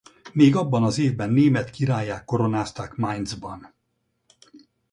Még abban az évben német királlyá koronázták Mainz-ban.